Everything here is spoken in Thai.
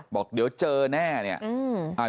บอกเดี๋ยวเจอแน่เนี่ย